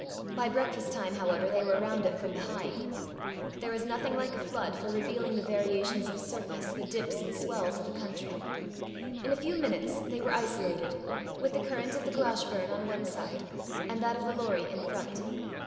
By breakfast time, however, they were round it from behind. There is nothing like a flood for revealing the variations of surface, the dips and swells of a country. In a few minutes they were isolated, with the current of the Glashburn on one side, and that of the Lorrie in front.